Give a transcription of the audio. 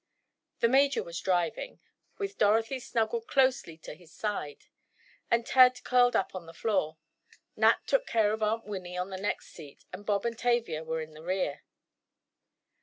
The major was driving, with Dorothy snuggled closely to his side, and Ted curled up on the floor. Nat took care of Aunt Winnie on the next seat and Bob and Tavia were in the rear.